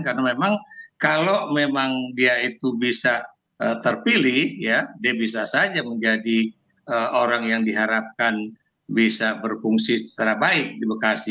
karena memang kalau memang dia itu bisa terpilih dia bisa saja menjadi orang yang diharapkan bisa berfungsi secara baik di bekasi